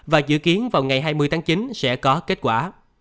và dự kiến vào ngày hai mươi tháng chín sẽ có kết quả